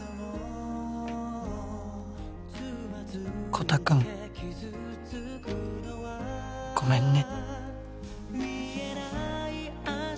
コタくんごめんね